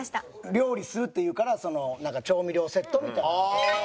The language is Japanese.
料理するっていうからなんか調味料セットみたいなのを。